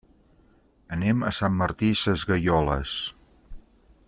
Anem a Sant Martí Sesgueioles.